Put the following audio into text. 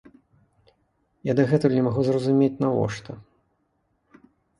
Я дагэтуль не магу зразумець, навошта.